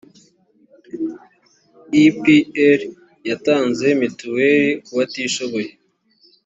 epr yatanze mituweli kubatishoboye